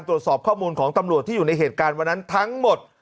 ตรวจสอบข้อมูลของตำรวจที่อยู่ในเหตุการณ์วันนั้นทั้งหมด